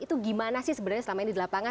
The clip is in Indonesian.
itu gimana sih sebenarnya selama ini di lapangan